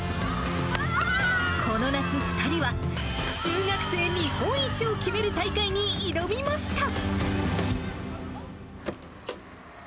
この夏、２人は中学生日本一を決める大会に挑みました。